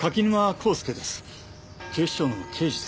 警視庁の刑事です。